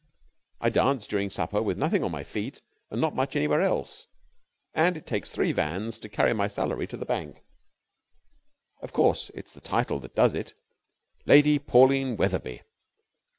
I dance during supper with nothing on my feet and not much anywhere else, and it takes three vans to carry my salary to the bank. Of course, it's the title that does it: 'Lady Pauline Wetherby!'